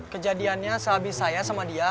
kejadiannya sehabis saya sama dia